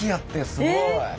すごい。